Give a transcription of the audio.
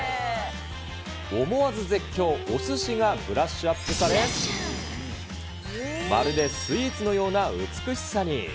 思わず絶叫、おすしがブラッシュアップされ、まるでスイーツのような美しさに。